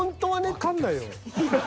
わかんないよ。